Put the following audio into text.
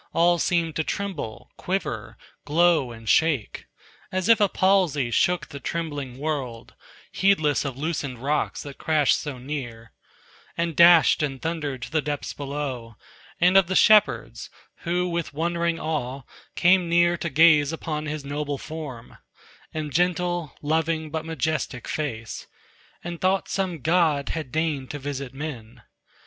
All seemed to tremble, quiver, glow and shake, As if a palsy shook the trembling world; Heedless of loosened rocks that crashed so near, And dashed and thundered to the depths below, And of the shepherds, who with wondering awe Came near to gaze upon his noble form And gentle, loving but majestic face, And thought some god had deigned to visit men.